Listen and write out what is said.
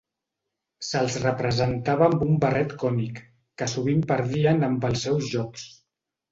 Se'ls representava amb un barret cònic, que sovint perdien amb els seus jocs.